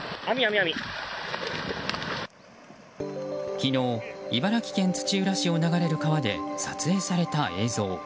昨日、茨城県土浦市を流れる川で撮影された映像。